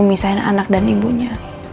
misahin anak dan ibunya